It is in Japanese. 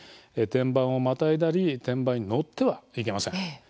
天板をまたいだり天板に乗ってはいけません。